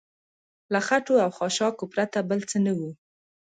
له خټو او خاشاکو پرته بل څه نه و.